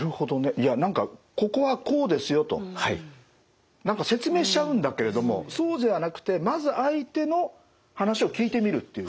いや何かここはこうですよと。何か説明しちゃうんだけれどもそうじゃなくてまず相手の話を聞いてみるという。